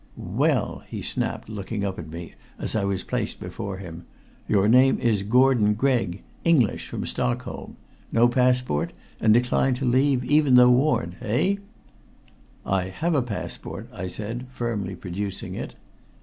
"Well?" he snapped, looking up at me as I was placed before him. "Your name is Gordon Gregg, English, from Stockholm. No passport, and decline to leave even though warned eh?" "I have a passport," I said firmly, producing it.